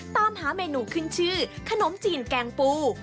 ตามหาเมนูขึ้นชื่อขนมจีนแกงปู